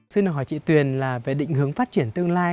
xin hỏi chị tuyền là về định hướng phát triển tương lai